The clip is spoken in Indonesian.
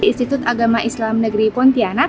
institut agama islam negeri pontianak